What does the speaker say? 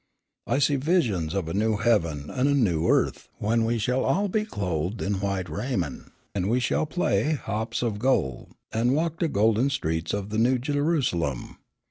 I see visions of a new Heaven an' a new earth, when we shell all be clothed in white raimen', an' we shell play ha'ps of gol', an' walk de golden streets of the New Jerusalem!